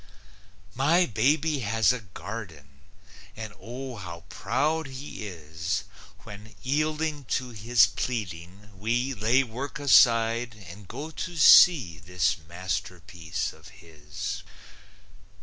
My baby has a garden, And Oh, how proud he is When, yielding to his pleading, we Lay work aside and go to see This masterpiece of his!